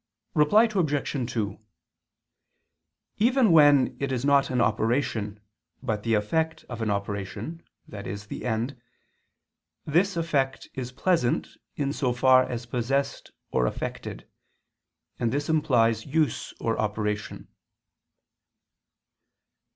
Reply Obj. 2: Even when it is not an operation, but the effect of an operation, that is the end, this effect is pleasant in so far as possessed or effected: and this implies use or operation.